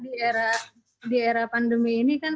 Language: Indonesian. di era pandemi ini kan